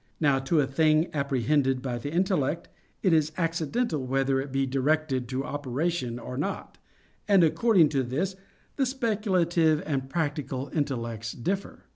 Now, to a thing apprehended by the intellect, it is accidental whether it be directed to operation or not, and according to this the speculative and practical intellects differ.